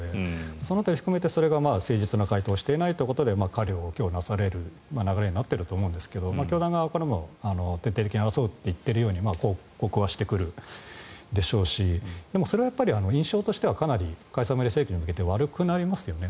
その辺りを含めてそれが誠実な回答をしていないというので過料を科すという流れになっていると思いますが教団側も徹底的に争うと言っているように抗告はしてくるでしょうしそれは印象としては解散命令請求において悪くなりますよね。